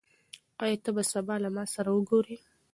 آيا ته به سبا له ما سره وګورې؟